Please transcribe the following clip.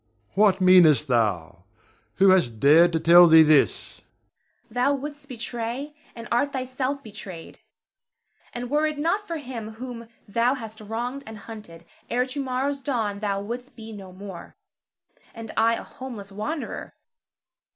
What meanest thou? Who has dared to tell thee this? Zara. Thou wouldst betray, and art thyself betrayed; and were it not for him whom thou hast wronged and hunted, ere to morrow's dawn thou wouldst be no more, and I a homeless wanderer.